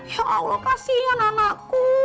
ya allah kasihan anakku